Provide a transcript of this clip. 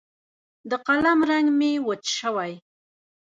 د قلم رنګ مې وچ شوی